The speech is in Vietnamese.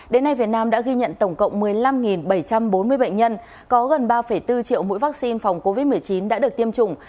đến nay việt nam đã ghi nhận tổng cộng một mươi năm bảy trăm bốn mươi bệnh nhân có gần ba bốn triệu mũi vaccine phòng covid một mươi chín đã được tiêm chủng